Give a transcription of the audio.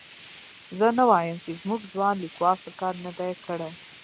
زه نه وایم چې زموږ ځوان لیکوال ښه کار نه دی کړی.